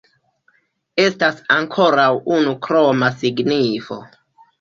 Estas ankoraŭ unu kroma signifo.